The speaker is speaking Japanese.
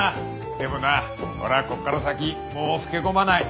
でもな俺はこっから先もう老け込まない。